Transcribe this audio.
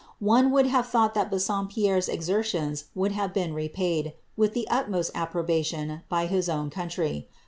One would have thought that Bassompierre's exertions would have been repaid, with the utmost approbation, by his own country.